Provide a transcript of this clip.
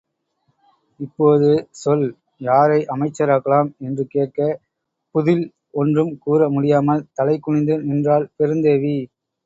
இப்போது சொல் யாரை அமைச்சராக்கலாம்? என்று கேட்க, புதில் ஒன்றும் கூற முடியாமல் தலைகுனிந்து நின்றாள் பெருந்தேவி.